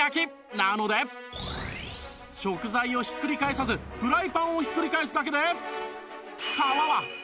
なので食材をひっくり返さずフライパンをひっくり返すだけで